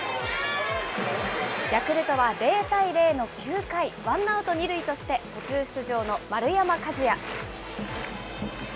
ヤクルトは０対０の９回、ワンアウト２塁として、途中出場の丸山和郁。